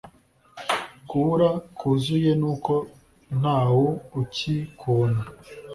kubura kwuzuye nuko ntawu uki kubona